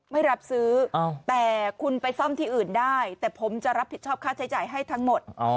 ไม่รับซื้อแต่คุณไปซ่อมที่อื่นได้แต่ผมจะรับผิดชอบค่าใช้จ่ายให้ทั้งหมด